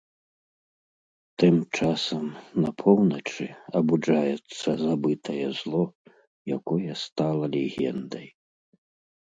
Тым часам, на поўначы, абуджаецца забытае зло, якое стала легендай.